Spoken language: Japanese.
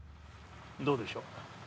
どうでしょう？